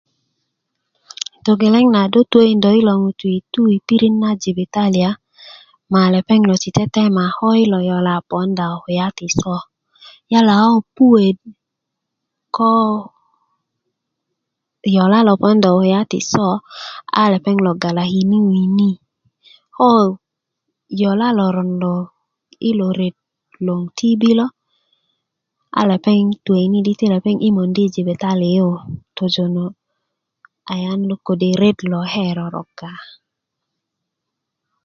togeleng na do tukökindö ilo ŋutũ i to piriɗ na jibitaliya ma lepeŋ lo ti tetema ko yilo yola' pwödä kö kulya ti so a ko puwe ko yola' lo pwodä ko kulya ti so a lopeŋ galakini wini ko yola loron lo ilo ret lo TB ko a lopeng tukani i ponda i jibiali yu a tojono ayan lo kode reɗ lo ke roroga